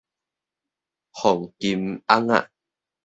鳳金甕仔